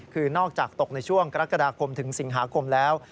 คือนอกจากตกในช่วงกรกฎาคมถึงสิงหาคมแล้ว